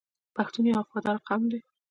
پښتون یو وفادار قوم دی.